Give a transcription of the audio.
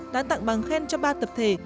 đã tặng bằng khen cho ba tập thể